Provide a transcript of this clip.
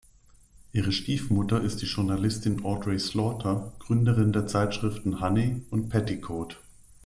Ihre Stiefmutter ist die Journalistin Audrey Slaughter, Gründerin der Zeitschriften "Honey" und "Petticoat".